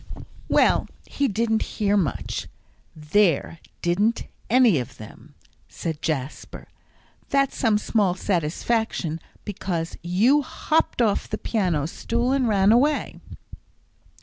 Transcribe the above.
"Well, he didn't hear much; there didn't any of them," said Jasper; "that's some small satisfaction, because you hopped off the piano stool and ran away."